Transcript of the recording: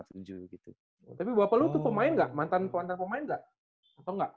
tapi bapak lu tuh pemain gak mantan pemain gak atau enggak